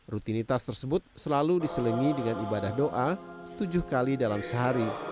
rutinitas tersebut selalu diselengi dengan ibadah doa tujuh kali dalam sehari